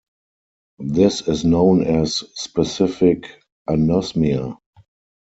This is known as "specific anosmia".